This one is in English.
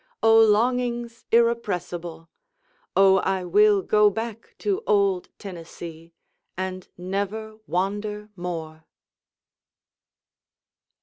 O longings irrepressible! O I will go back to old Tennessee, and never wander more!